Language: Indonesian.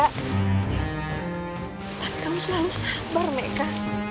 tapi kamu selalu sabar meka